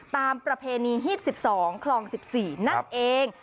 ประเพณีฮีบ๑๒คลอง๑๔นั่นเอง